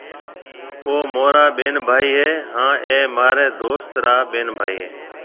او مهارا ٻين ڀائِي هيَ هانَ اَي مهاريَ دوست را ٻين ڀائِي هيَ۔